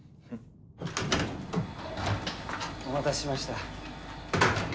お待たせしました。